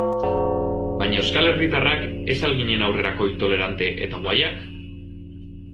Baina euskal herritarrak ez al ginen aurrerakoi, tolerante eta guayak?